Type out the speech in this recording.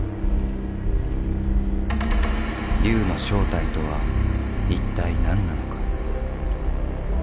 龍の正体とは一体何なのか？